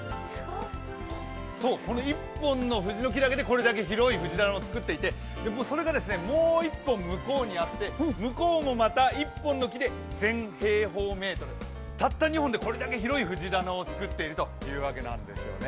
この１本の藤の木だけでこの大きな藤棚を作っていてそれがもう１本向こうにあって向こうもまた１本の木で１０００平方メートルたった２本でこれだけの藤棚を作っているということなんですね。